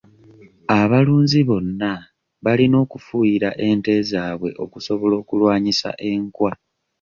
Abalunzi bonna balina okufuuyira ente zaabwe okusobola okulwanyisa enkwa.